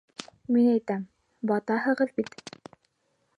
Мин әйтәм: «Батаһығыҙ бит!»